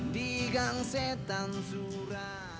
di gang setan surat